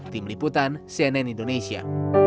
tim liputan cnn indonesia